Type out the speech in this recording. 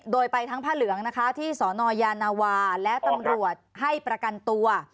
โดยไปทั้งผ้าเหลืองนะคะที่สนยานาวาและตำรวจให้ประกันตัว